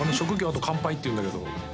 あと乾杯って言うんだけど。